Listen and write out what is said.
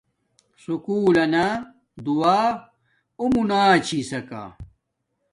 سکُول لنا دُعا اُو مونا چھسکا